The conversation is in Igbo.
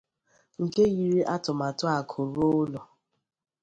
nke yiri atụmatụ Akụ Ruo Ụlọ